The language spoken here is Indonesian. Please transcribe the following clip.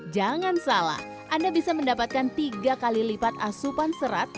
jangan salah anda bisa mendapatkan tiga kali lipat asupan serat